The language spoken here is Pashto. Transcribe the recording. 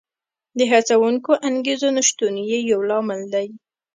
د هڅوونکو انګېزو نشتون یې یو لامل دی